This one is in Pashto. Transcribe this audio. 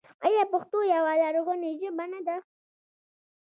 آیا پښتو یوه لرغونې ژبه نه ده؟